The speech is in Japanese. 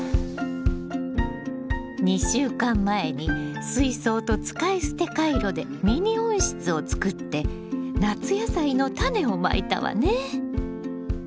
２週間前に水槽と使い捨てカイロでミニ温室を作って夏野菜のタネをまいたわね。